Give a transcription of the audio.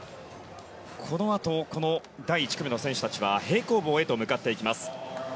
このあと第１組の選手たちは平行棒へ向かっていきます。